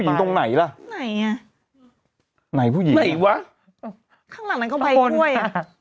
ทางหลังงานไปเป็นแก้งกล้วย